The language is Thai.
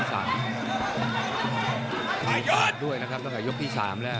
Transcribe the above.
ผ่านด้วยนะครับตั้งแต่ยกที่๓แล้ว